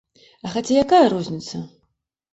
А хаця якая розніца!